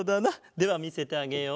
ではみせてあげよう。